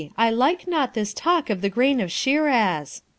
I like not this talk of the grain of Shiraz.'